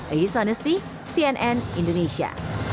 ayesha nesti cnn indonesia